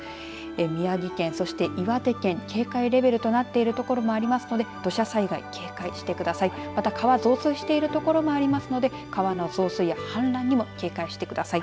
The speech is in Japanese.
宮城県、そして岩手県警戒レベルとなっている所もありますので土砂災害、警戒してください。